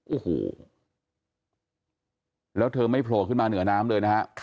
โอ้โหแล้วเธอไม่โผล่ขึ้นมาเหนือน้ำเลยนะฮะ